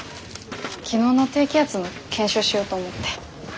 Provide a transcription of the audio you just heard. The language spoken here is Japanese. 昨日の低気圧の検証しようと思って。